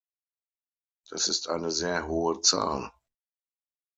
Das ist eine sehr hohe Zahl.